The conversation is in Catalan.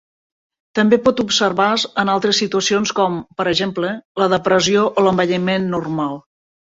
També pot observar-se en altres situacions com, per exemple, la depressió o l'envelliment normal.